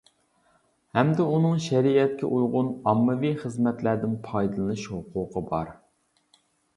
ھەمدە ئۇنىڭ شەرىئەتكە ئۇيغۇن ئاممىۋى خىزمەتلەردىن پايدىلىنىش ھوقۇقى بار.